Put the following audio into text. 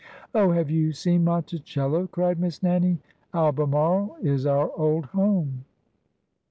"Oh, have you seen Monticello?" cried Miss Nannie. " Albemarle is our old home."